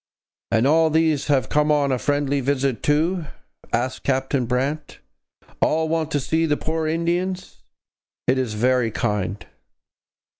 'And all these have come on a friendly visit too?' asked Captain Brant. 'All want to see the poor Indians; it is very kind.'